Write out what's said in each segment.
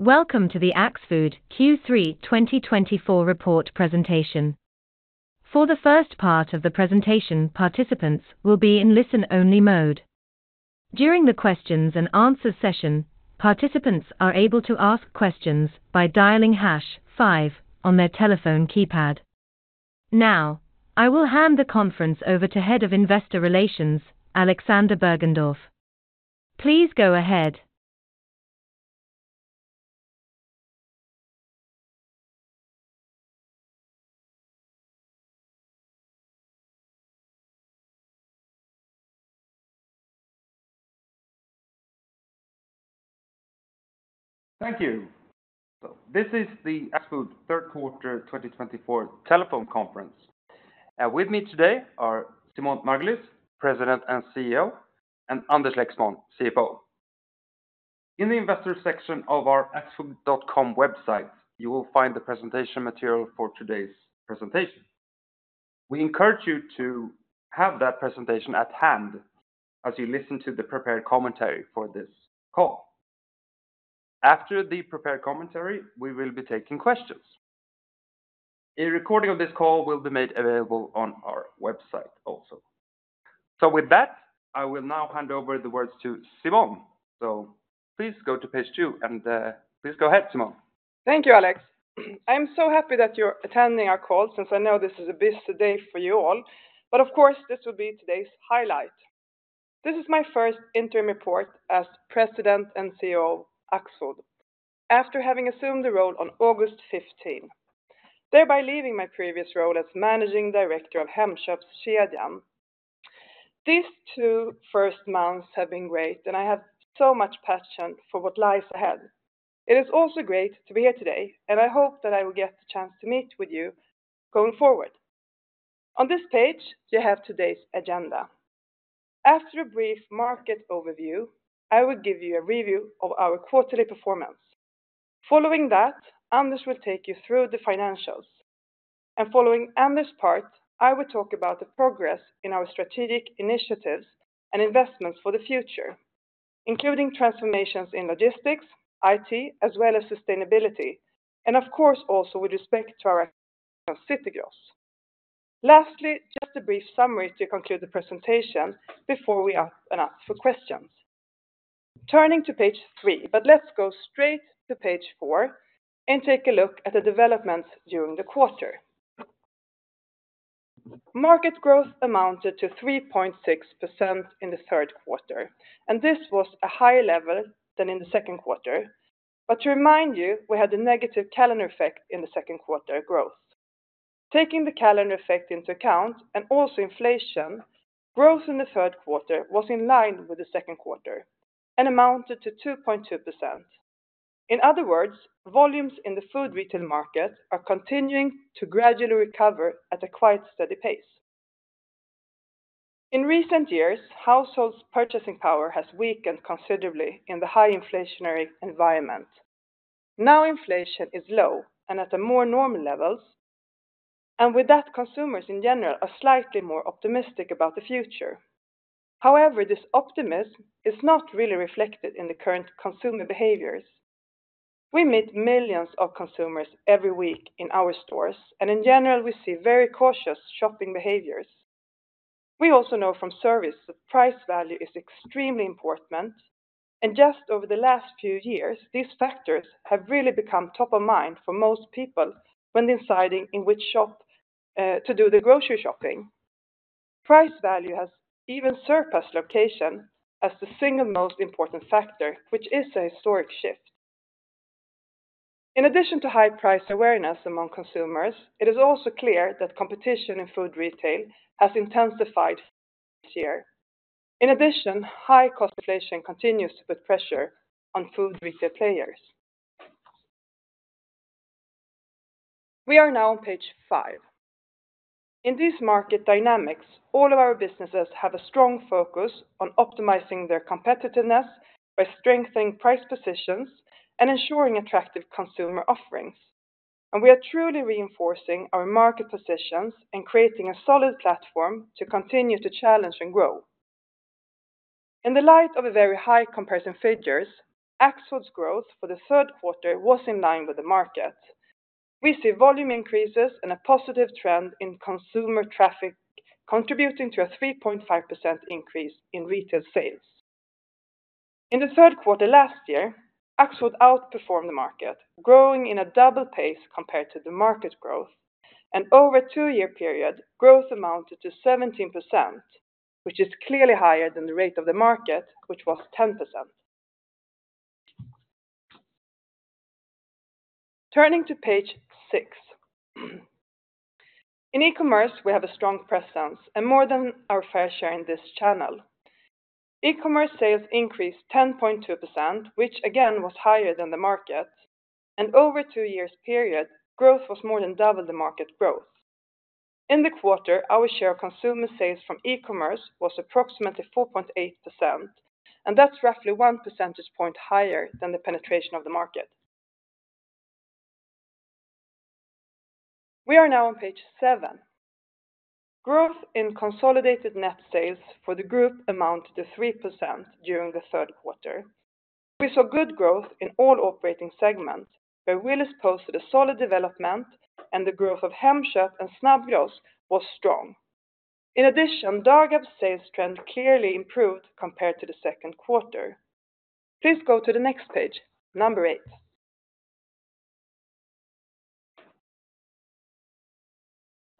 Welcome to the Axfood Q3 2024 report presentation. For the first part of the presentation, participants will be in listen-only mode. During the questions and answers session, participants are able to ask questions by dialing hash five on their telephone keypad. Now, I will hand the conference over to Head of Investor Relations, Alexander Bergendorf. Please go ahead. Thank you. This is the Axfood third quarter twenty twenty-four telephone conference. With me today are Simone Margulies, President and CEO, and Anders Lexmon, CFO. In the investor section of our Axfood.com website, you will find the presentation material for today's presentation. We encourage you to have that presentation at hand as you listen to the prepared commentary for this call. After the prepared commentary, we will be taking questions. A recording of this call will be made available on our website also. So with that, I will now hand over the words to Simone. So please go to page two, and please go ahead, Simone. Thank you, Alex. I'm so happy that you're attending our call since I know this is a busy day for you all, but of course, this will be today's highlight. This is my first interim report as President and CEO of Axfood, after having assumed the role on August fifteen, thereby leaving my previous role as Managing Director of Hemköpskedjan. These two first months have been great, and I have so much passion for what lies ahead. It is also great to be here today, and I hope that I will get the chance to meet with you going forward. On this page, you have today's agenda. After a brief market overview, I will give you a review of our quarterly performance. Following that, Anders will take you through the financials, and following Anders' part, I will talk about the progress in our strategic initiatives and investments for the future, including transformations in logistics, IT, as well as sustainability, and of course, also with respect to our sustainability goals. Lastly, just a brief summary to conclude the presentation before we open up for questions. Turning to page three, but let's go straight to page four and take a look at the developments during the quarter. Market growth amounted to 3.6% in the third quarter, and this was a higher level than in the second quarter. But to remind you, we had a negative calendar effect in the second quarter growth. Taking the calendar effect into account, and also inflation, growth in the third quarter was in line with the second quarter and amounted to 2.2%. In other words, volumes in the food retail market are continuing to gradually recover at a quite steady pace. In recent years, households' purchasing power has weakened considerably in the high inflationary environment. Now, inflation is low and at the more normal levels, and with that, consumers in general are slightly more optimistic about the future. However, this optimism is not really reflected in the current consumer behaviors. We meet millions of consumers every week in our stores, and in general, we see very cautious shopping behaviors. We also know from service that price value is extremely important, and just over the last few years, these factors have really become top of mind for most people when deciding in which shop to do the grocery shopping. Price value has even surpassed location as the single most important factor, which is a historic shift. In addition to high price awareness among consumers, it is also clear that competition in food retail has intensified this year. In addition, high cost inflation continues to put pressure on food retail players. We are now on page five. In these market dynamics, all of our businesses have a strong focus on optimizing their competitiveness by strengthening price positions and ensuring attractive consumer offerings, and we are truly reinforcing our market positions and creating a solid platform to continue to challenge and grow. In the light of a very high comparison figures, Axfood's growth for the third quarter was in line with the market. We see volume increases and a positive trend in consumer traffic, contributing to a 3.5% increase in retail sales. In the third quarter last year, Axfood outperformed the market, growing in a double pace compared to the market growth, and over a two-year period, growth amounted to 17%, which is clearly higher than the rate of the market, which was 10%. Turning to page six. In e-commerce, we have a strong presence and more than our fair share in this channel. E-commerce sales increased 10.2%, which again, was higher than the market, and over a two years period, growth was more than double the market growth. In the quarter, our share of consumer sales from e-commerce was approximately 4.8%, and that's roughly one percentage point higher than the penetration of the market. We are now on page seven. Growth in consolidated net sales for the group amounted to 3% during the third quarter. We saw good growth in all operating segments, where Willys posted a solid development and the growth of Hemköp and Snabbgross was strong. In addition, Dagab sales trend clearly improved compared to the second quarter. Please go to the next page, number eight.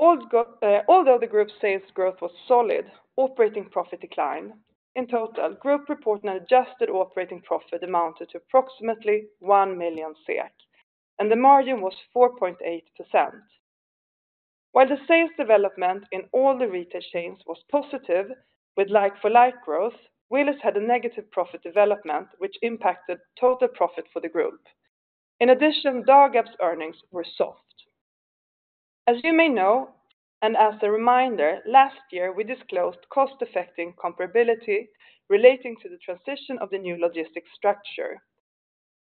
Although the group's sales growth was solid, operating profit declined. In total, group reported adjusted operating profit amounted to approximately one million SEK, and the margin was 4.8%. While the sales development in all the retail chains was positive, with like-for-like growth, Willys had a negative profit development, which impacted total profit for the group. In addition, Dagab's earnings were soft. As you may know, and as a reminder, last year, we disclosed cost affecting comparability relating to the transition of the new logistics structure.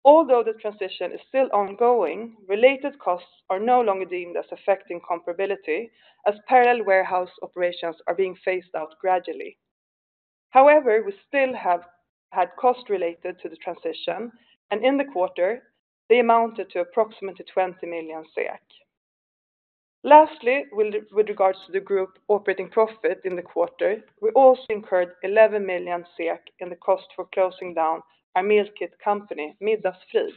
Although the transition is still ongoing, related costs are no longer deemed as affecting comparability as parallel warehouse operations are being phased out gradually. However, we still have had costs related to the transition, and in the quarter, they amounted to approximately 20 million SEK. Lastly, with regards to the group operating profit in the quarter, we also incurred 11 million SEK in the cost for closing down our meal kit company, Middagsfrid.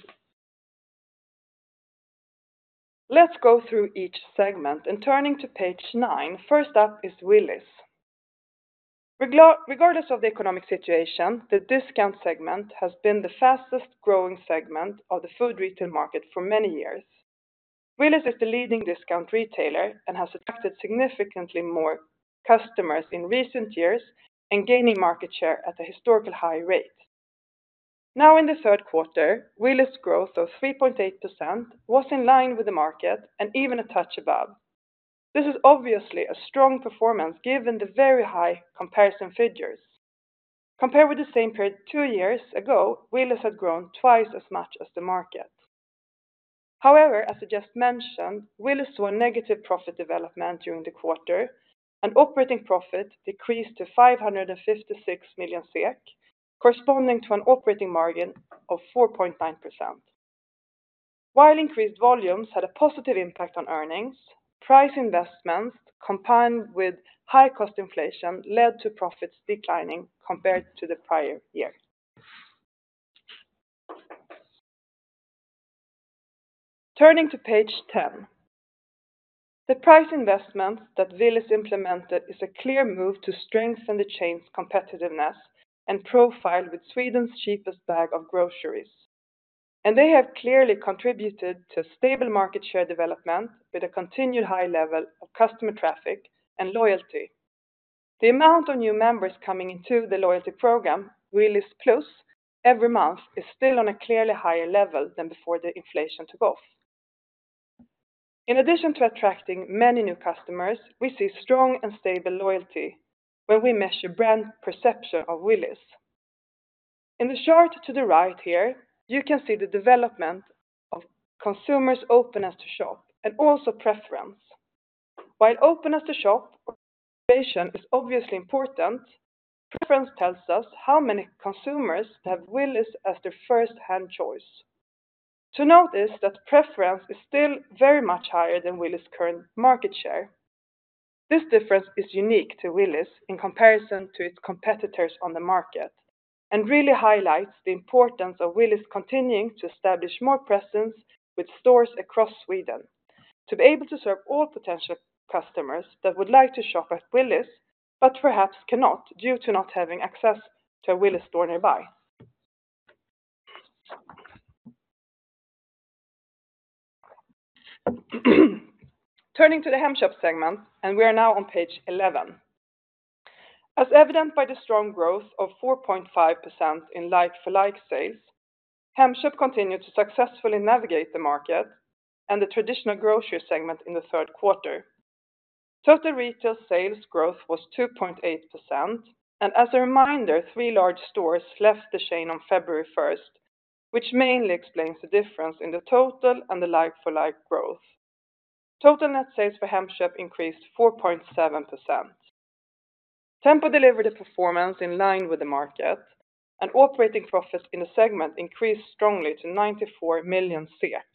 Let's go through each segment and turning to page 9. First up is Willys. Regardless of the economic situation, the discount segment has been the fastest growing segment of the food retail market for many years. Willys is the leading discount retailer and has attracted significantly more customers in recent years and gaining market share at a historical high rate. Now, in the third quarter, Willys growth of 3.8% was in line with the market and even a touch above. This is obviously a strong performance, given the very high comparison figures. Compared with the same period two years ago, Willys had grown twice as much as the market. However, as I just mentioned, Willys saw a negative profit development during the quarter, and operating profit decreased to 556 million SEK, corresponding to an operating margin of 4.9%. While increased volumes had a positive impact on earnings, price investments, combined with high cost inflation, led to profits declining compared to the prior year. Turning to page 10. The price investments that Willys implemented is a clear move to strengthen the chain's competitiveness and profile with Sweden's cheapest bag of groceries. And they have clearly contributed to a stable market share development with a continued high level of customer traffic and loyalty. The amount of new members coming into the loyalty program, Willys Plus, every month, is still on a clearly higher level than before the inflation took off. In addition to attracting many new customers, we see strong and stable loyalty when we measure brand perception of Willys. In the chart to the right here, you can see the development of consumers' openness to shop and also preference. While openness to shop or conversation is obviously important, preference tells us how many consumers have Willys as their first-hand choice. To note is that preference is still very much higher than Willys' current market share. This difference is unique to Willys in comparison to its competitors on the market, and really highlights the importance of Willys continuing to establish more presence with stores across Sweden, to be able to serve all potential customers that would like to shop at Willys, but perhaps cannot due to not having access to a Willys store nearby. Turning to the Hemköp segment, and we are now on page 11. As evident by the strong growth of 4.5% in like-for-like sales, Hemköp continued to successfully navigate the market and the traditional grocery segment in the third quarter. Total retail sales growth was 2.8%, and as a reminder, three large stores left the chain on February first, which mainly explains the difference in the total and the like-for-like growth. Total net sales for Hemköp increased 4.7%. Tempo delivered a performance in line with the market, and operating profits in the segment increased strongly to 94 million SEK,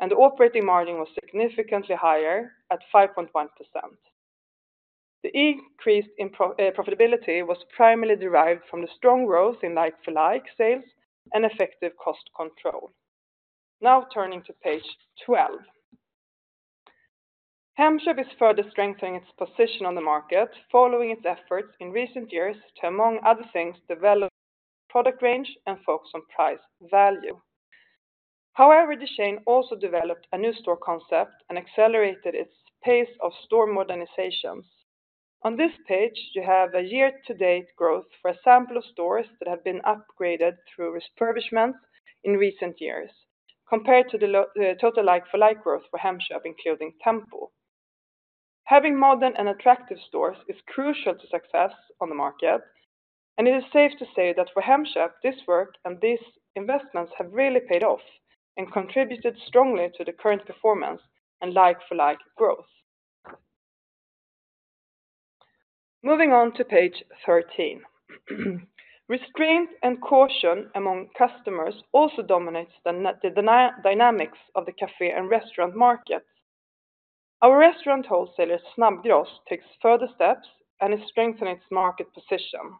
and the operating margin was significantly higher at 5.1%. The increase in profitability was primarily derived from the strong growth in like-for-like sales and effective cost control. Now turning to page 12. Hemköp is further strengthening its position on the market, following its efforts in recent years to, among other things, develop product range and focus on price value. However, the chain also developed a new store concept and accelerated its pace of store modernizations. On this page, you have a year-to-date growth for a sample of stores that have been upgraded through refurbishment in recent years, compared to the total like-for-like growth for Hemköp, including Tempo.... Having modern and attractive stores is crucial to success on the market, and it is safe to say that for Hemköp, this work and these investments have really paid off and contributed strongly to the current performance and like-for-like growth. Moving on to page 13. Restraint and caution among customers also dominates the dynamics of the cafe and restaurant market. Our restaurant wholesaler, Snabbgross, takes further steps and is strengthening its market position.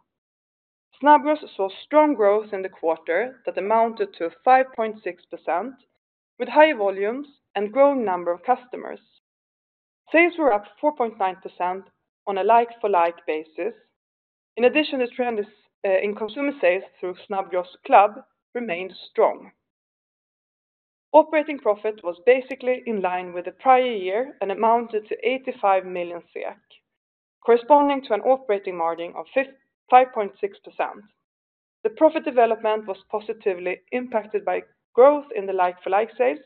Snabbgross saw strong growth in the quarter that amounted to 5.6%, with higher volumes and growing number of customers. Sales were up 4.9% on a like-for-like basis. In addition, the trend is in consumer sales through Snabbgross Club remained strong. Operating profit was basically in line with the prior year and amounted to 85 million SEK, corresponding to an operating margin of 5.6%. The profit development was positively impacted by growth in the Like-for-like sales,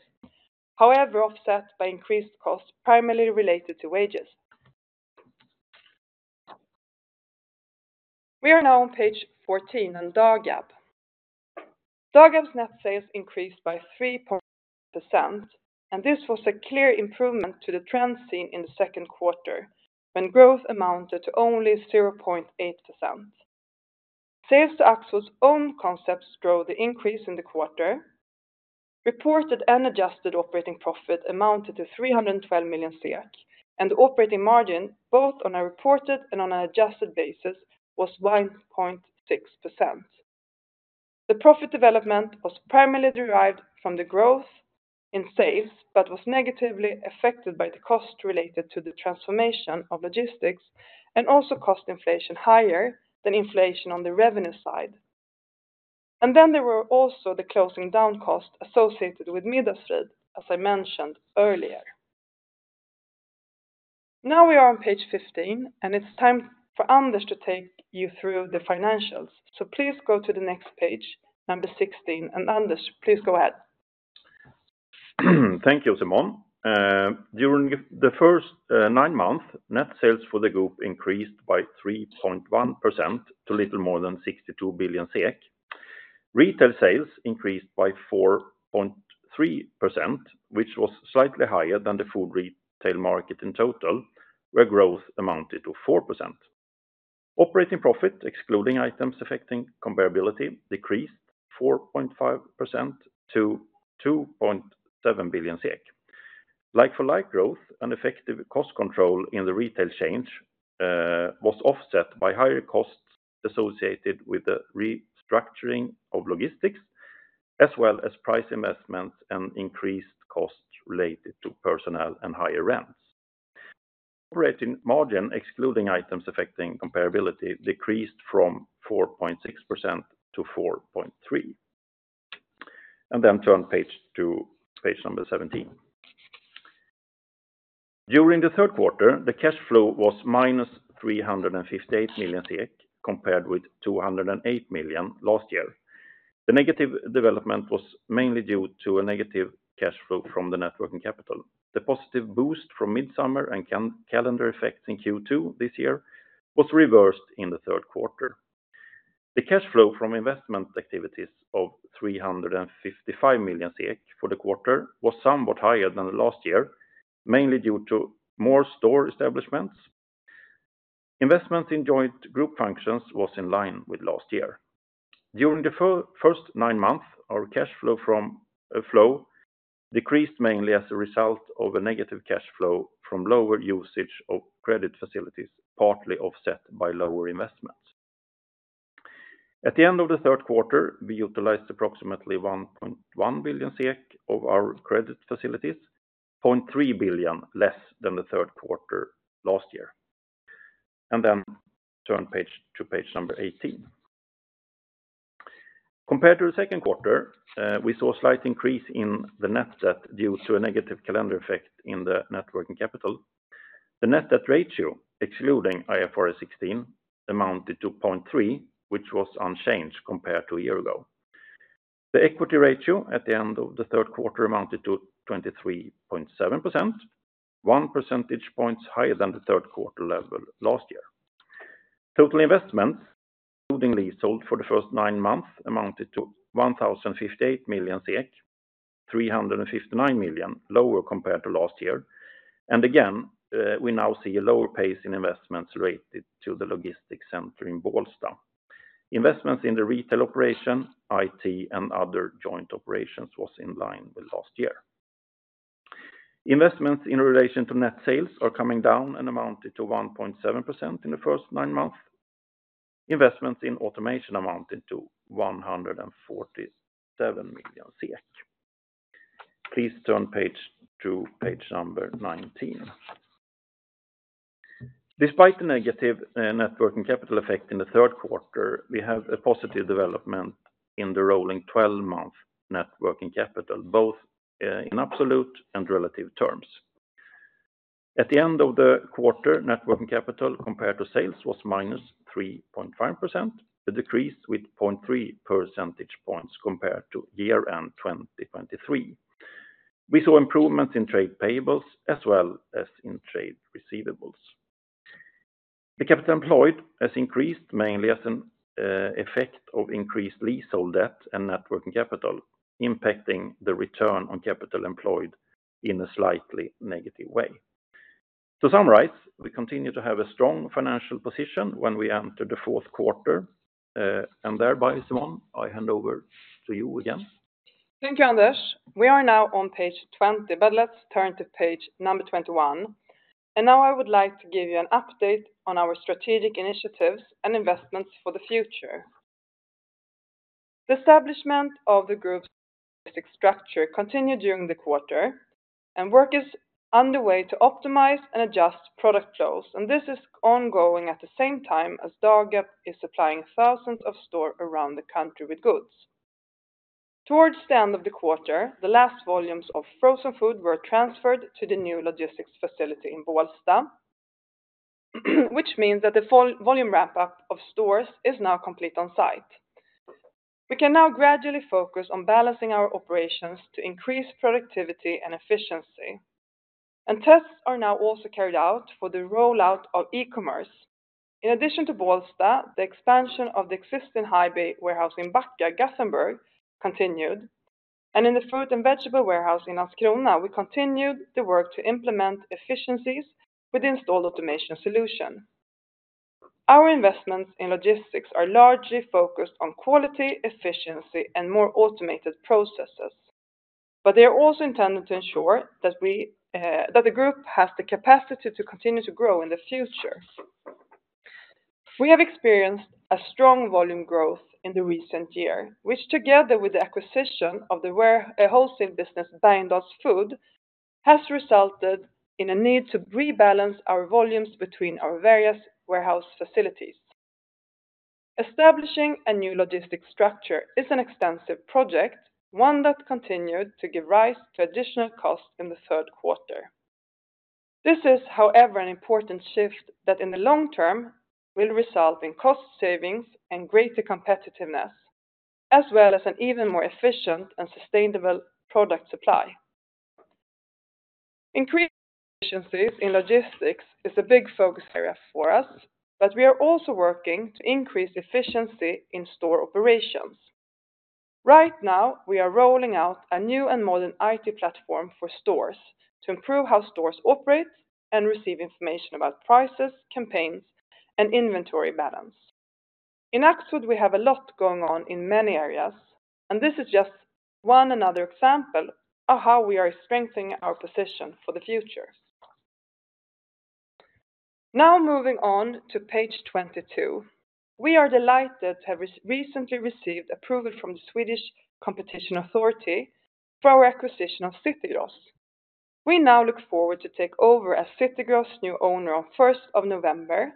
however, offset by increased costs, primarily related to wages. We are now on page 14 on Dagab. Dagab's net sales increased by 3%, and this was a clear improvement to the trend seen in the second quarter, when growth amounted to only 0.8%. Sales to Axfood's own concepts drove the increase in the quarter. Reported and adjusted operating profit amounted to 312 million SEK, and the operating margin, both on a reported and on an adjusted basis, was 1.6%. The profit development was primarily derived from the growth in sales, but was negatively affected by the cost related to the transformation of logistics and also cost inflation higher than inflation on the revenue side. And then there were also the closing down costs associated with Middagsfrid, as I mentioned earlier. Now we are on page fifteen, and it's time for Anders to take you through the financials. So please go to the next page, number sixteen, and Anders, please go ahead. Thank you, Simone. During the first nine months, net sales for the group increased by 3.1% to little more than 62 billion SEK. Retail sales increased by 4.3%, which was slightly higher than the food retail market in total, where growth amounted to 4%. Operating profit, excluding items affecting comparability, decreased 4.5% to 2.7 billion SEK. Like-for-like growth and effective cost control in the retail chain was offset by higher costs associated with the restructuring of logistics, as well as price investments and increased costs related to personnel and higher rents. Operating margin, excluding items affecting comparability, decreased from 4.6% to 4.3%. And then turn page to page number 17. During the third quarter, the cash flow was minus 358 million, compared with 208 million last year. The negative development was mainly due to a negative cash flow from the net working capital. The positive boost from mid-summer and calendar effects in Q2 this year was reversed in the third quarter. The cash flow from investment activities of 355 million SEK for the quarter was somewhat higher than last year, mainly due to more store establishments. Investments in joint group functions was in line with last year. During the first nine months, our cash flow from flow decreased mainly as a result of a negative cash flow from lower usage of credit facilities, partly offset by lower investments. At the end of the third quarter, we utilized approximately 1.1 billion SEK of our credit facilities, 0.3 billion less than the third quarter last year, and then turn page to page number eighteen. Compared to the second quarter, we saw a slight increase in the net debt due to a negative calendar effect in the net working capital. The net debt ratio, excluding IFRS 16, amounted to 0.3, which was unchanged compared to a year ago. The equity ratio at the end of the third quarter amounted to 23.7%, one percentage point higher than the third quarter level last year. Total investments, including leasehold for the first nine months, amounted to 1,058 million SEK, 359 million lower compared to last year. Again, we now see a lower pace in investments related to the logistics center in Bålsta. Investments in the retail operation, IT, and other joint operations was in line with last year. Investments in relation to net sales are coming down and amounted to 1.7% in the first nine months. Investments in automation amounted to 147 million SEK. Please turn to page 19. Despite the negative net working capital effect in the third quarter, we have a positive development in the rolling twelve-month net working capital, both in absolute and relative terms. At the end of the quarter, net working capital compared to sales was -3.5%, a decrease with 0.3 percentage points compared to year-end 2023. We saw improvements in trade payables as well as in trade receivables. The capital employed has increased mainly as an effect of increased leasehold debt and net working capital, impacting the return on capital employed in a slightly negative way. To summarize, we continue to have a strong financial position when we enter the fourth quarter, and thereby, Simone, I hand over to you again. Thank you, Anders. We are now on page twenty, but let's turn to page number twenty-one. And now I would like to give you an update on our strategic initiatives and investments for the future. The establishment of the group's basic structure continued during the quarter, and work is underway to optimize and adjust product flows, and this is ongoing at the same time as Dagab is supplying thousands of stores around the country with goods. Towards the end of the quarter, the last volumes of frozen food were transferred to the new logistics facility in Bålsta, which means that the full volume wrap up of stores is now complete on site. We can now gradually focus on balancing our operations to increase productivity and efficiency. And tests are now also carried out for the rollout of e-commerce. In addition to Bålsta, the expansion of the existing high bay warehouse in Backa, Gothenburg continued, and in the fruit and vegetable warehouse in Landskrona, we continued the work to implement efficiencies with the installed automation solution. Our investments in logistics are largely focused on quality, efficiency, and more automated processes, but they are also intended to ensure that we, that the group has the capacity to continue to grow in the future. We have experienced a strong volume growth in the recent year, which, together with the acquisition of the wholesale business, Bergendahls Food, has resulted in a need to rebalance our volumes between our various warehouse facilities. Establishing a new logistics structure is an extensive project, one that continued to give rise to additional costs in the third quarter. This is, however, an important shift that in the long term, will result in cost savings and greater competitiveness, as well as an even more efficient and sustainable product supply. Increasing efficiencies in logistics is a big focus area for us, but we are also working to increase efficiency in store operations. Right now, we are rolling out a new and modern IT platform for stores to improve how stores operate and receive information about prices, campaigns, and inventory balance. In Axfood, we have a lot going on in many areas, and this is just another example of how we are strengthening our position for the future. Now, moving on to page twenty-two. We are delighted to have recently received approval from the Swedish Competition Authority for our acquisition of City Gross. We now look forward to take over as City Gross's new owner on first of November,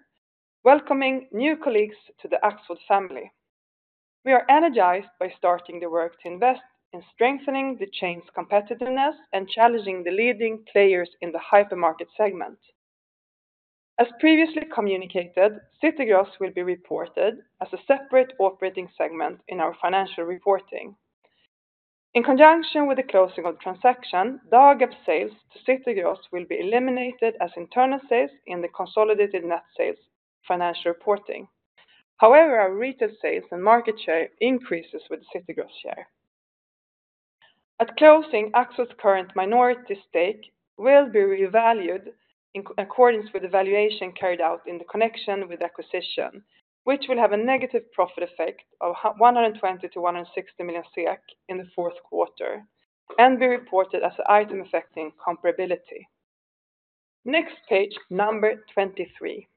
welcoming new colleagues to the Axfood family. We are energized by starting the work to invest in strengthening the chain's competitiveness and challenging the leading players in the hypermarket segment. As previously communicated, City Gross will be reported as a separate operating segment in our financial reporting. In conjunction with the closing of the transaction, Dagab sales to City Gross will be eliminated as internal sales in the consolidated net sales financial reporting. However, our retail sales and market share increases with City Gross share. At closing, Axfood's current minority stake will be revalued in accordance with the valuation carried out in the connection with acquisition, which will have a negative profit effect of 120-160 million SEK in the fourth quarter and be reported as an item affecting comparability. Next page, number twenty-three.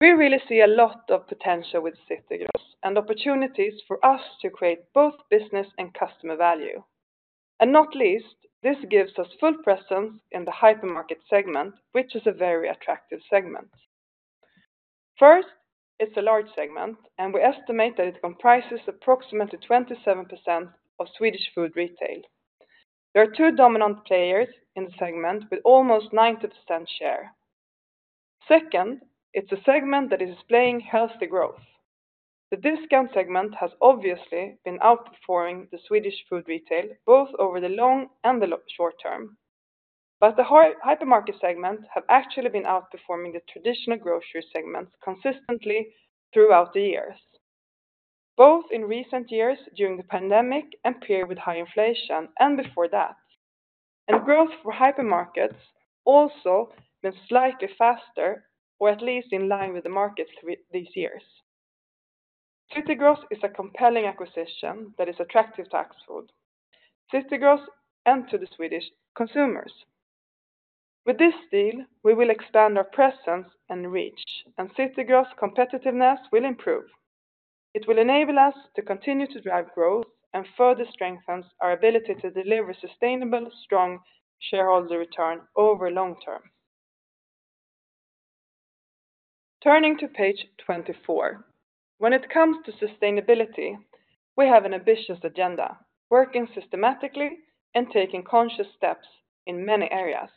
We really see a lot of potential with City Gross and opportunities for us to create both business and customer value. And not least, this gives us full presence in the hypermarket segment, which is a very attractive segment. First, it's a large segment, and we estimate that it comprises approximately 27% of Swedish food retail. There are two dominant players in the segment with almost 90% share. Second, it's a segment that is displaying healthy growth. The discount segment has obviously been outperforming the Swedish food retail, both over the long and the short term. But the hypermarket segment have actually been outperforming the traditional grocery segments consistently throughout the years, both in recent years during the pandemic and period with high inflation and before that. Growth for hypermarkets has also been slightly faster, or at least in line with the market these years. City Gross is a compelling acquisition that is attractive to Axfood, City Gross, and to the Swedish consumers. With this deal, we will expand our presence and reach, and City Gross competitiveness will improve. It will enable us to continue to drive growth and further strengthens our ability to deliver sustainable, strong shareholder return over long term. Turning to page 24. When it comes to sustainability, we have an ambitious agenda, working systematically and taking conscious steps in many areas.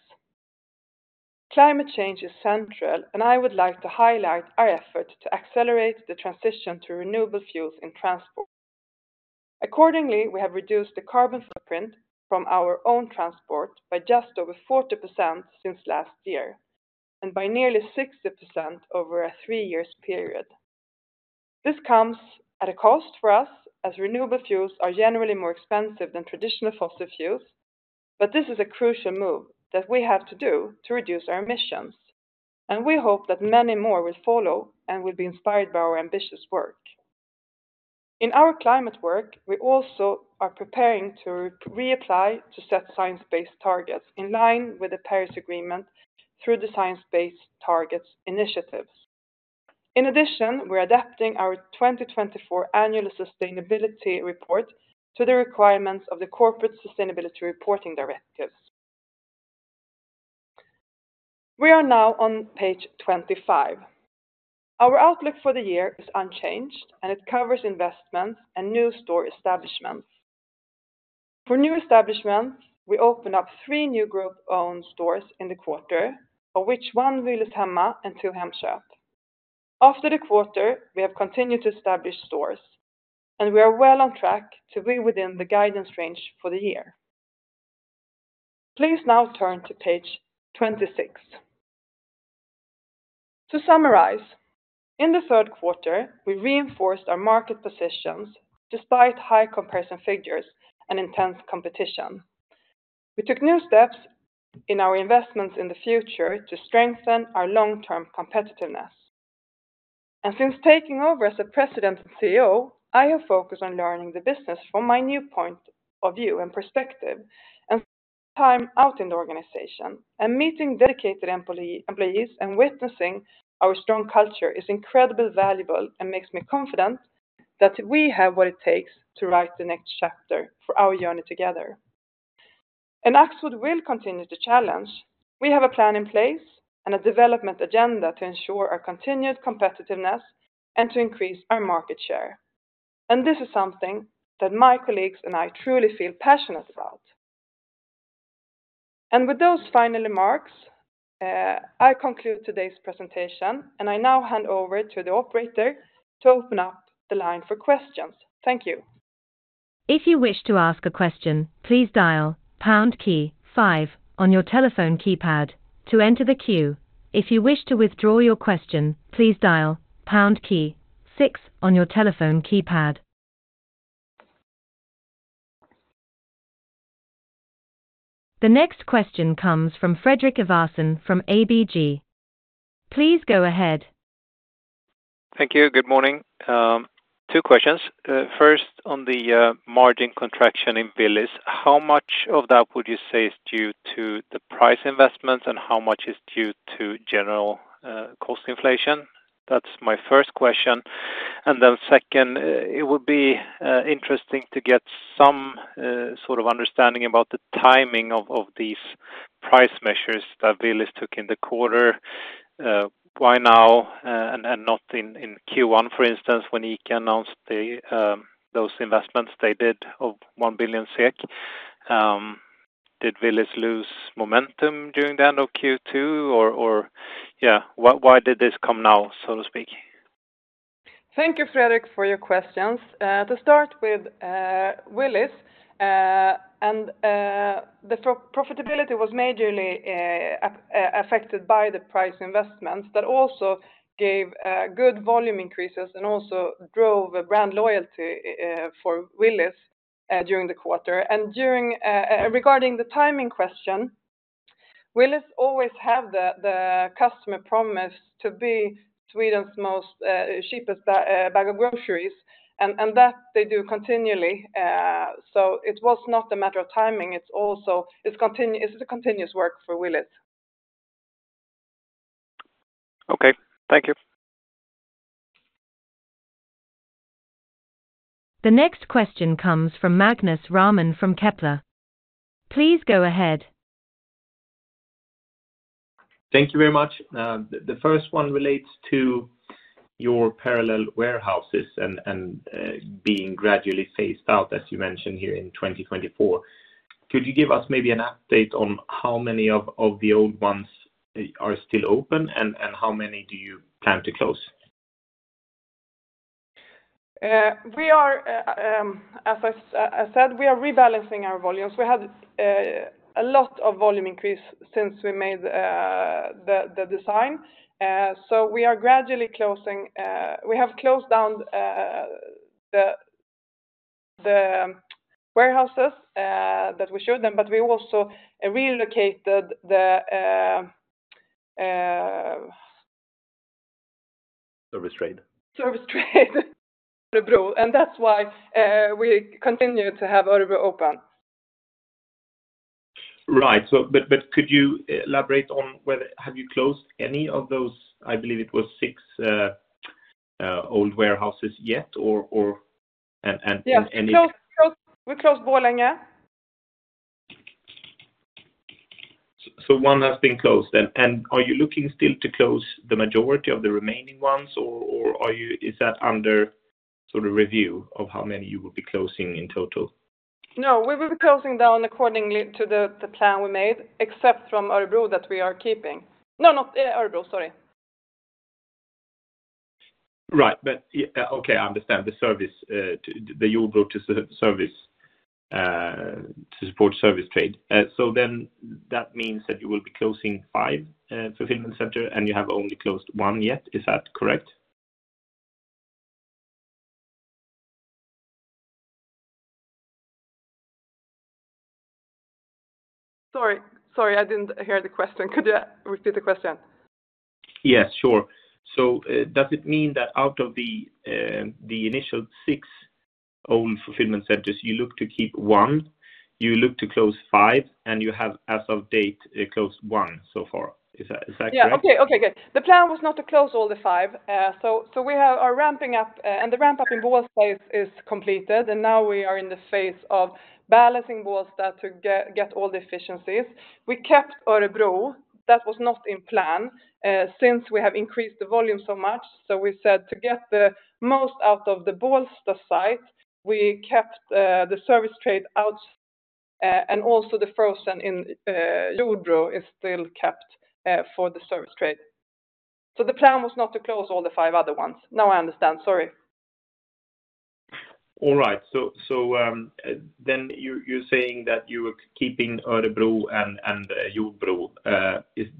Climate change is central, and I would like to highlight our effort to accelerate the transition to renewable fuels in transport.... Accordingly, we have reduced the carbon footprint from our own transport by just over 40% since last year, and by nearly 60% over a three-year period. This comes at a cost for us, as renewable fuels are generally more expensive than traditional fossil fuels, but this is a crucial move that we have to do to reduce our emissions, and we hope that many more will follow and will be inspired by our ambitious work. In our climate work, we also are preparing to reapply to set science-based targets in line with the Paris Agreement through the Science Based Targets initiative. In addition, we're adapting our twenty twenty-four annual sustainability report to the requirements of the Corporate Sustainability Reporting Directive. We are now on page twenty-five. Our outlook for the year is unchanged, and it covers investments and new store establishments. For new establishments, we opened up three new group-owned stores in the quarter, of which one Willys Hemma and two Hemköp. After the quarter, we have continued to establish stores, and we are well on track to be within the guidance range for the year. Please now turn to page 26. To summarize, in the third quarter, we reinforced our market positions despite high comparison figures and intense competition. We took new steps in our investments in the future to strengthen our long-term competitiveness. Since taking over as the President and CEO, I have focused on learning the business from my new point of view and perspective, and time out in the organization, and meeting dedicated employees and witnessing our strong culture is incredibly valuable and makes me confident that we have what it takes to write the next chapter for our journey together. Axfood will continue to challenge. We have a plan in place and a development agenda to ensure our continued competitiveness and to increase our market share. And this is something that my colleagues and I truly feel passionate about. And with those final remarks, I conclude today's presentation, and I now hand over to the operator to open up the line for questions. Thank you. If you wish to ask a question, please dial pound key five on your telephone keypad to enter the queue. If you wish to withdraw your question, please dial pound key six on your telephone keypad. The next question comes from Fredrik Ivarsson from ABG. Please go ahead. Thank you. Good morning, two questions. First, on the margin contraction in Willys, how much of that would you say is due to the price investments, and how much is due to general cost inflation? That's my first question. And then second, it would be interesting to get some sort of understanding about the timing of these price measures that Willys took in the quarter. Why now, and not in Q1, for instance, when ICA announced those investments they did of one billion SEK? Did Willys lose momentum during the end of Q2? Or yeah, why did this come now, so to speak? Thank you, Fredrik, for your questions. To start with, Willys and the profitability was majorly affected by the price investments that also gave good volume increases and also drove brand loyalty for Willys during the quarter. Regarding the timing question, Willys always have the customer promise to be Sweden's cheapest bag of groceries, and that they do continually. So it was not a matter of timing, it's a continuous work for Willys. Okay. Thank you. The next question comes from Magnus Råman from Kepler. Please go ahead. Thank you very much. The first one relates to your parallel warehouses and being gradually phased out, as you mentioned here in 2024. Could you give us maybe an update on how many of the old ones are still open, and how many do you plan to close? As I said, we are rebalancing our volumes. We had a lot of volume increase since we made the design, so we are gradually closing, we have closed down the warehouses that we showed them, but we also relocated the Service trade. Service trade. Örebro, and that's why we continue to have Örebro open. Right. So, but could you elaborate on whether have you closed any of those, I believe it was six old warehouses yet? Or, and- Yes. Closed, we closed Borlänge. So one has been closed then, and are you looking still to close the majority of the remaining ones? Or is that under sort of review of how many you will be closing in total? No, we will be closing down according to the plan we made, except from Örebro, that we are keeping. No, not Örebro, sorry.... Right, but, yeah, okay, I understand the service, the Jordbro to service, to support service trade. So then that means that you will be closing five fulfillment centers, and you have only closed one yet. Is that correct? Sorry, sorry, I didn't hear the question. Could you repeat the question? Yeah, sure, so does it mean that out of the initial six own fulfillment centers, you look to keep one, you look to close five, and you have, as of date, closed one so far. Is that correct? Yeah. Okay, okay, good. The plan was not to close all the five. So we are ramping up, and the ramp-up in Bålsta is completed, and now we are in the phase of balancing Bålsta to get all the efficiencies. We kept Örebro. That was not in plan, since we have increased the volume so much. So we said to get the most out of the Bålsta site, we kept the service trade out, and also the frozen in Jordbro is still kept for the service trade. So the plan was not to close all the five other ones. Now I understand. Sorry. All right, so then you're saying that you are keeping Örebro and Jordbro.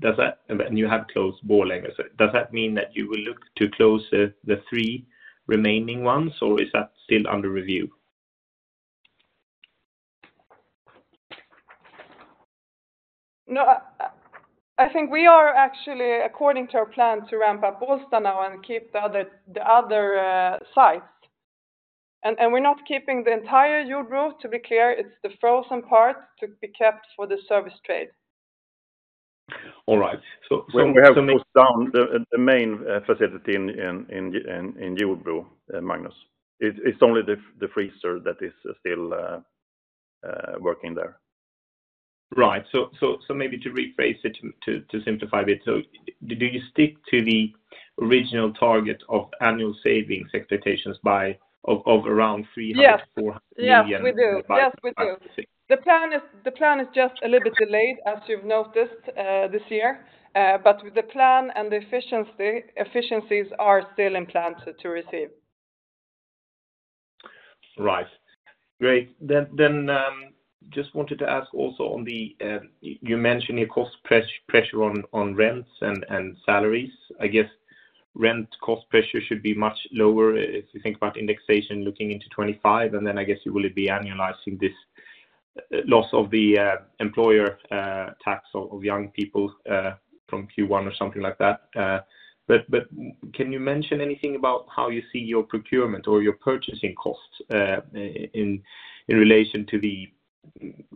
Does that... and you have closed Borlänge. So does that mean that you will look to close the three remaining ones, or is that still under review? No, I think we are actually, according to our plan, to ramp up Bålsta now and keep the other sites. And we're not keeping the entire Jordbro, to be clear, it's the frozen part to be kept for the service trade. All right. So, We have to close down the main facility in Jordbro, Magnus. It's only the freezer that is still working there. Right. So maybe to rephrase it, to simplify it, so do you stick to the original target of annual savings expectations by, of around three hundred- Yes- 400 million? Yes, we do. Yes, we do. The plan is, the plan is just a little bit delayed, as you've noticed, this year. But the plan and the efficiency, efficiencies are still in plan to receive. Right. Great. Then, just wanted to ask also on the, you mentioned your cost pressure on rents and salaries. I guess rent cost pressure should be much lower if you think about indexation looking into twenty-five, and then I guess you will be annualizing this, loss of the, employer, tax of young people, from Q1 or something like that. But can you mention anything about how you see your procurement or your purchasing costs, in relation to the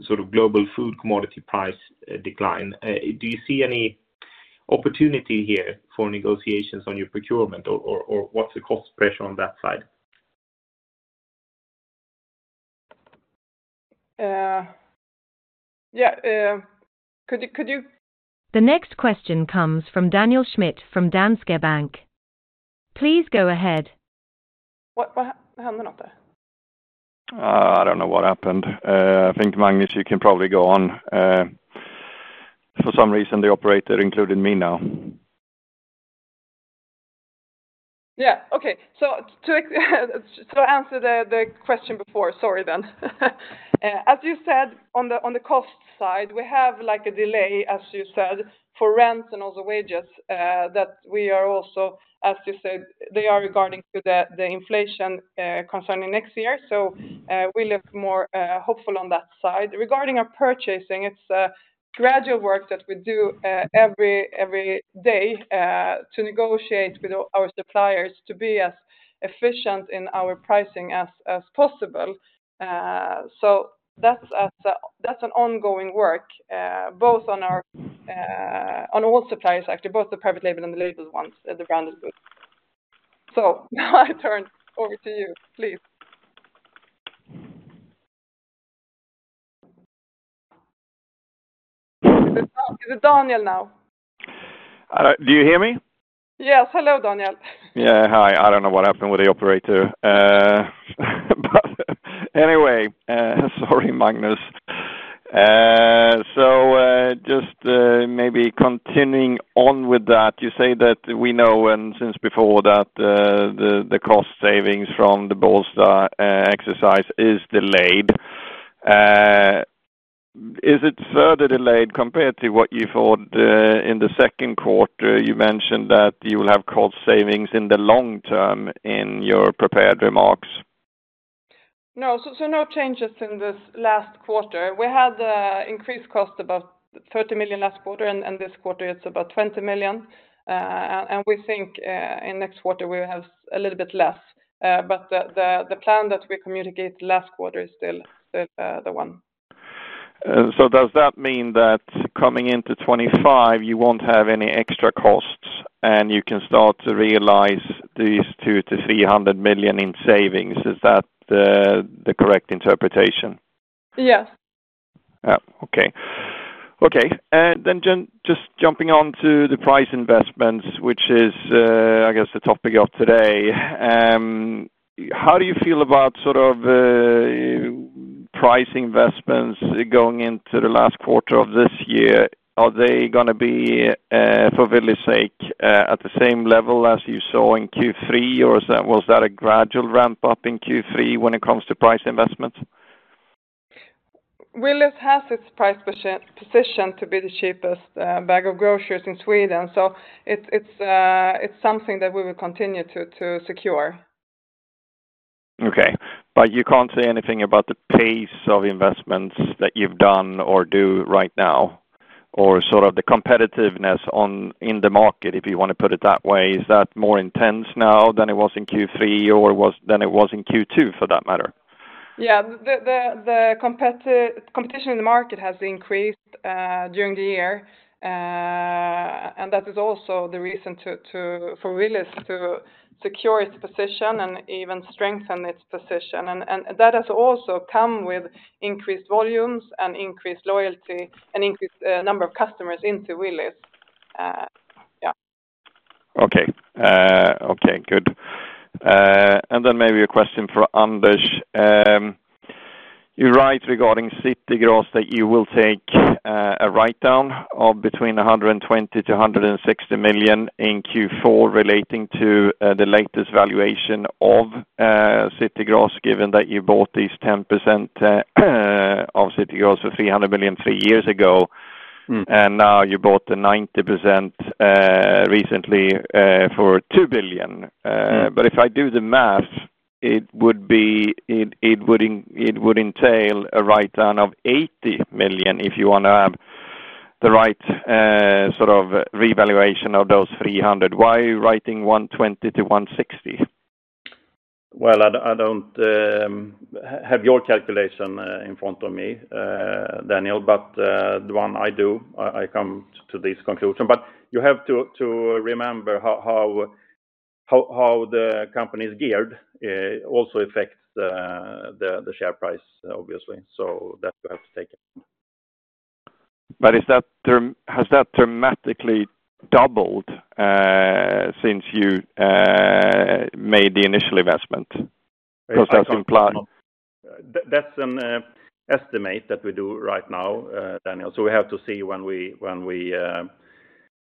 sort of global food commodity price, decline? Do you see any opportunity here for negotiations on your procurement, or what's the cost pressure on that side? Yeah, could you- The next question comes from Daniel Schmidt from Danske Bank. Please go ahead. What happened out there? I don't know what happened. I think, Magnus Råman, you can probably go on. For some reason, the operator included me now. Yeah. Okay. So to answer the question before: sorry, then. As you said, on the cost side, we have, like, a delay, as you said, for rents and also wages, that we are also, as you said, they are regarding to the inflation, concerning next year. So, we look more hopeful on that side. Regarding our purchasing, it's a gradual work that we do every day to negotiate with our suppliers to be as efficient in our pricing as possible. So that's an ongoing work both on our, on all suppliers, actually, both the private label and the labeled ones, the branded group. So now I turn over to you, please. Is it Daniel now? Do you hear me? Yes. Hello, Daniel. Yeah, hi. I don't know what happened with the operator. But anyway, sorry, Magnus. So, just maybe continuing on with that, you say that we know and since before, that the cost savings from the Bålsta exercise is delayed. Is it further delayed compared to what you thought in the second quarter? You mentioned that you will have cost savings in the long term in your prepared remarks. No, so no changes in this last quarter. We had increased cost about 30 million last quarter, and this quarter it's about 20 million, and we think in next quarter we will have a little bit less, but the plan that we communicated last quarter is still the one. So does that mean that coming into 2025, you won't have any extra costs, and you can start to realize these 200-300 million in savings? Is that the correct interpretation? Yes. Yeah. Okay. Okay, then just jumping on to the price investments, which is, I guess the topic of today. How do you feel about sort of, price investments going into the last quarter of this year, are they gonna be, for Willys's sake, at the same level as you saw in Q3? Or is that, was that a gradual ramp-up in Q3 when it comes to price investment? Willys has its price position to be the cheapest bag of groceries in Sweden, so it's something that we will continue to secure. Okay, but you can't say anything about the pace of investments that you've done or do right now, or sort of the competitiveness on, in the market, if you wanna put it that way. Is that more intense now than it was in Q3, than it was in Q2, for that matter? Yeah. The competition in the market has increased during the year, and that is also the reason for Willys to secure its position and even strengthen its position. And that has also come with increased volumes and increased loyalty and increased number of customers into Willys. Yeah. Okay. Okay, good. And then maybe a question for Anders. You're right regarding City Gross, that you will take a write-down of between 120 million and 160 million in Q4 relating to the latest valuation of City Gross, given that you bought these 10% of City Gross for 300 million three years ago. Mm. Now you bought the 90% recently for 2 billion. Mm. But if I do the math, it would be. It would entail a write-down of 80 million, if you wanna have the right sort of revaluation of those 300. Why are you writing 120 to 160? I don't have your calculation in front of me, Daniel, but the one I do, I come to this conclusion. But you have to remember how the company's geared also affects the share price, obviously. So that you have to take it. But has that dramatically doubled since you made the initial investment? Because that's implied. That's an estimate that we do right now, Daniel. So we have to see when we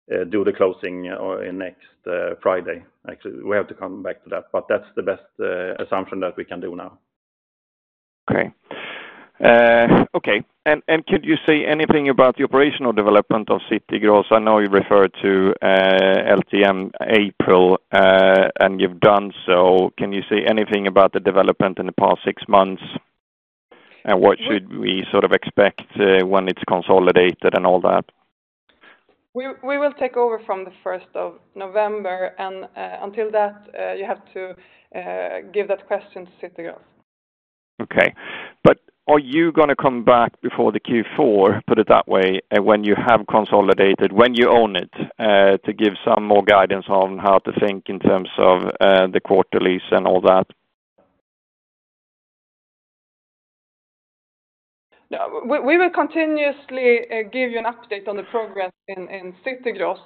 do the closing or in next Friday. Actually, we have to come back to that, but that's the best assumption that we can do now. Okay, and could you say anything about the operational development of City Gross? I know you referred to LTM April, and you've done so. Can you say anything about the development in the past six months? And what should we sort of expect when it's consolidated and all that? We will take over from the first of November, and until that, you have to give that question to City Gross. Okay, but are you gonna come back before the Q4, put it that way, and when you have consolidated, when you own it, to give some more guidance on how to think in terms of the quarterly lease and all that? Yeah. We will continuously give you an update on the progress in City Gross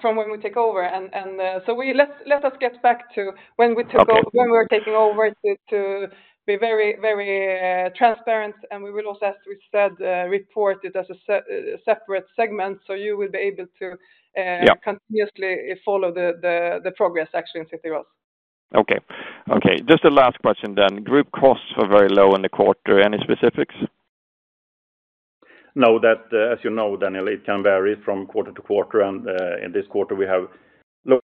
from when we take over, and so let us get back to when we take over. Okay. When we're taking over to be very, very transparent, and we will also, as we said, report it as a separate segment, so you will be able to- Yeah... continuously follow the progress actually in City Gross. Okay. Okay, just a last question then. Group costs were very low in the quarter. Any specifics? No, that, as you know, Daniel, it can vary from quarter to quarter, and in this quarter we have low,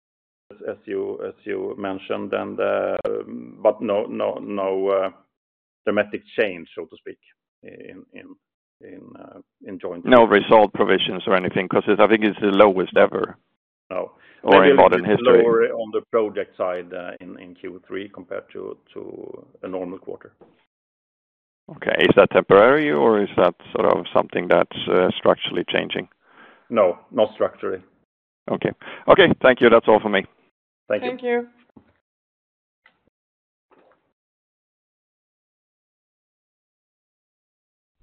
as you mentioned, and... But no dramatic change, so to speak, in joining. No reserve provisions or anything, because I think it's the lowest ever- No... or in modern history. Lower on the project side, in Q3, compared to a normal quarter. Okay. Is that temporary or is that sort of something that's structurally changing? No, not structurally. Okay. Okay, thank you. That's all for me. Thank you. Thank you.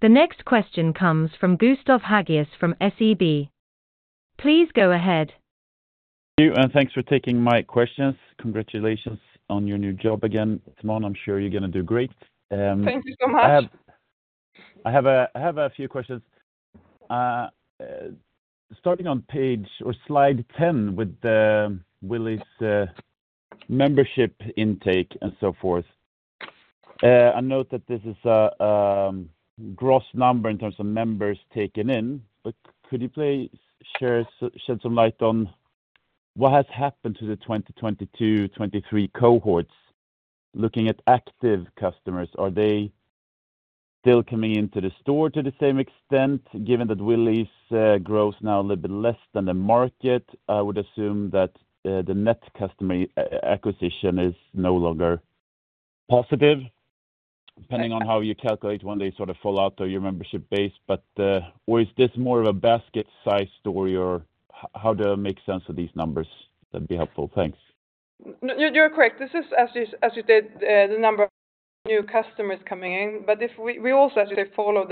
The next question comes from Gustav Hagéus from SEB. Please go ahead. you, and thanks for taking my questions. Congratulations on your new job again, Simone. I'm sure you're gonna do great. Thank you so much. I have a few questions. Starting on page or slide 10 with the Willys membership intake and so forth. I note that this is a gross number in terms of members taken in, but could you please shed some light on what has happened to the 2020 to 2023 cohorts? Looking at active customers, are they still coming into the store to the same extent, given that Willys grows now a little bit less than the market? I would assume that the net customer acquisition is no longer positive, depending on how you calculate when they sort of fall out of your membership base. Or is this more of a basket size story, or how do I make sense of these numbers? That'd be helpful. Thanks. You're correct. This is, as you did, the number of new customers coming in, but if we also actually follow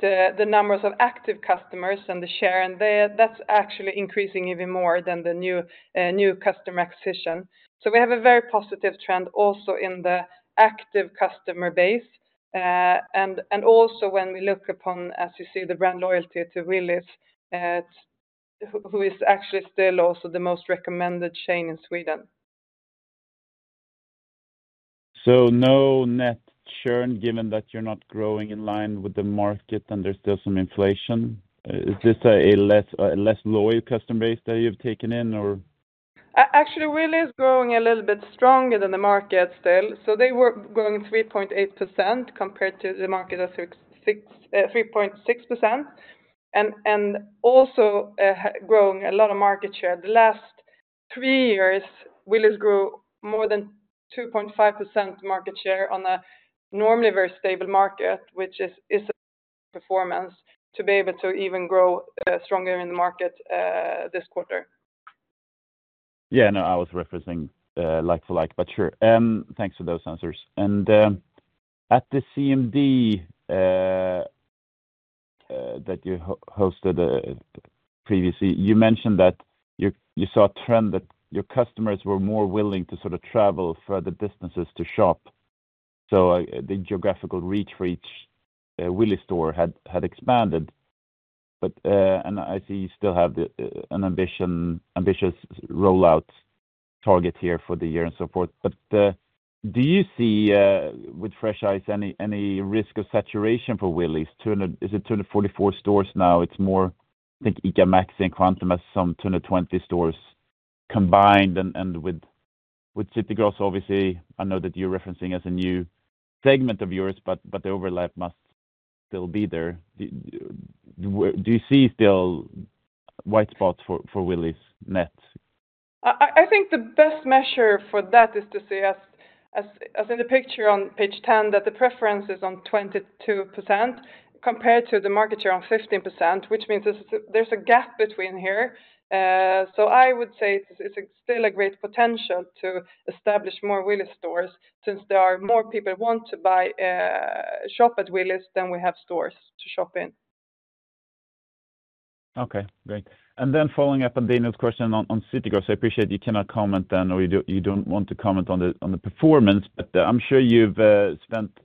the numbers of active customers and the share, and that's actually increasing even more than the new customer acquisition. So we have a very positive trend also in the active customer base. And also when we look upon, as you see, the brand loyalty to Willys, it's who is actually still also the most recommended chain in Sweden. No net churn, given that you're not growing in line with the market, and there's still some inflation. Is this a less loyal customer base that you've taken in or? Actually, Willys is growing a little bit stronger than the market still. So they were growing 3.8% compared to the market at 3.6%, and also growing a lot of market share. The last three years, Willys grew more than 2.5% market share on a normally very stable market, which is a performance to be able to even grow stronger in the market this quarter. Yeah, I know. I was referencing like for like, but sure. Thanks for those answers. At the CMD that you hosted previously, you mentioned that you saw a trend that your customers were more willing to sort of travel further distances to shop, so the geographical reach for each Willys store had expanded. But I see you still have an ambitious rollout target here for the year and so forth. But do you see, with fresh eyes, any risk of saturation for Willys? Is it 244 stores now? It's more, I think, ICA Maxi and Kvantum have some 220 stores combined and with City Gross, obviously. I know that you're referencing as a new segment of yours, but the overlap must still be there. Do you see still white spots for Willys net? I think the best measure for that is to see as in the picture on page 10, that the preference is on 22% compared to the market share on 15%, which means there's a gap between here. So I would say it's still a great potential to establish more Willys stores since there are more people who want to buy, shop at Willys than we have stores to shop in. Okay, great. And then following up on Daniel's question on City Gross, I appreciate you cannot comment then, or you don't want to comment on the performance, but I'm sure you've spent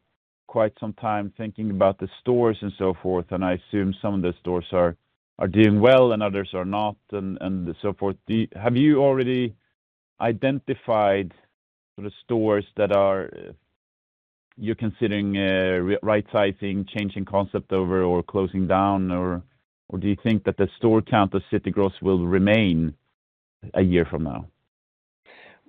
quite some time thinking about the stores and so forth, and I assume some of the stores are doing well and others are not, and so forth. Have you already identified the stores that you're considering right sizing, changing concept over, or closing down, or do you think that the store count of City Gross will remain a year from now?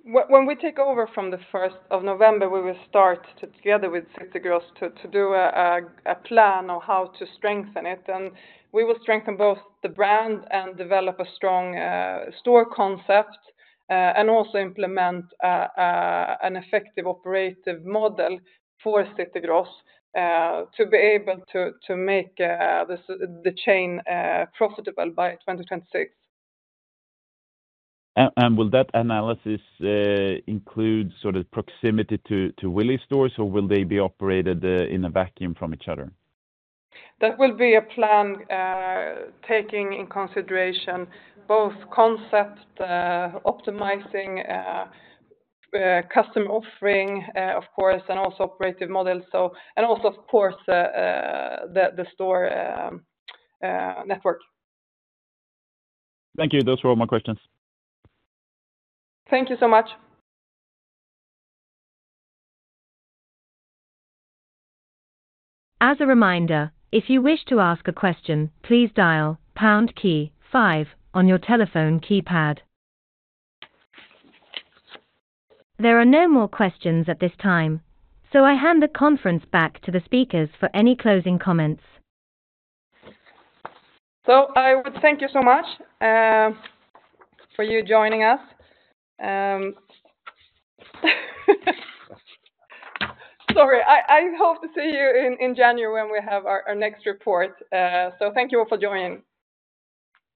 When we take over from the first of November, we will start to together with City Gross do a plan on how to strengthen it. We will strengthen both the brand and develop a strong store concept and also implement an effective operative model for City Gross to be able to make the chain profitable by twenty twenty-six. Will that analysis include sort of proximity to Willys stores, or will they be operated in a vacuum from each other? That will be a plan, taking in consideration both concept, optimizing customer offering, of course, and also operative models, so, and also, of course, the store network. Thank you. Those were all my questions. Thank you so much. As a reminder, if you wish to ask a question, please dial pound key five on your telephone keypad. There are no more questions at this time, so I hand the conference back to the speakers for any closing comments. I would thank you so much for you joining us. I hope to see you in January when we have our next report. Thank you all for joining.